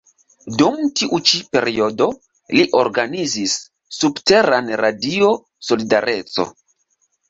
Dum tiu ĉi periodo li organizis subteran Radio Solidareco.